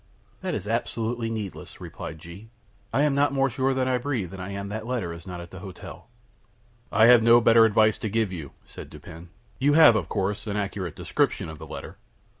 "That is absolutely needless," replied G . "I am not more sure that I breathe than I am that the letter is not at the hotel." "I have no better advice to give you," said Dupin. "You have, of course, an accurate description of the letter?"